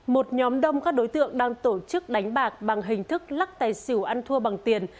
một nhóm đông các đối tượng đang tổ chức đánh bạc bằng hình thức lắc tài xỉu ăn thua bằng tiền